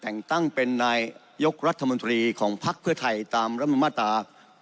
แต่งตั้งเป็นนายยกรัฐมนตรีของภักดิ์เพื่อไทยตามรัฐมนมาตรา